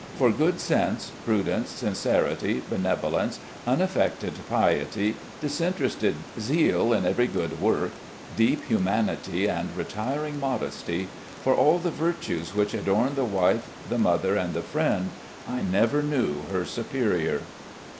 For good sense, prudence, sincerity, benevo lence, unaffected piety, disinterested zeal in every good work, deep humarity and retiring modesty — ^for all the virtues which adorn the wife, the mother, and the friend — I never knew her superior."